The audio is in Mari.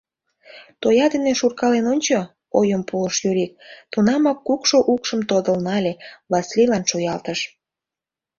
— Тоя дене шуркален ончо, — ойым пуыш Юрик, тунамак кукшо укшым тодыл нале, Васлийлан шуялтыш.